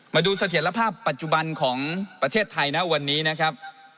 มาดูเศรษฐภาพปัจจุบันของประเทศไทยณวันนี้นะครับ